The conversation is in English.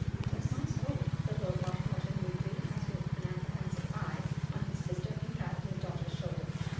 ("Bless my soul," said Lord Marshmoreton weakly, as, with an apprehensive eye on his sister, he patted his daughter's shoulder.)